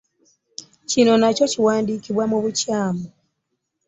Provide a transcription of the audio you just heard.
Kino nakyo kiwandiikiddwa mu bukyamu.